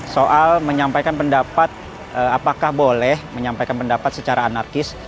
soal menyampaikan pendapat apakah boleh menyampaikan pendapat secara anarkis